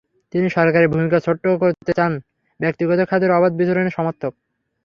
তিনি সরকারের ভূমিকা ছোট করতে চান, ব্যক্তিগত খাতের অবাধ বিচরণের সমর্থক।